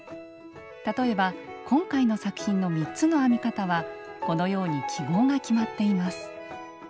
例えば今回の作品の３つの編み方はこのように記号が決まっています。